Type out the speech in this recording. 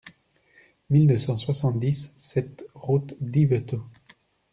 mille deux cent soixante-dix-sept route d'Yvetot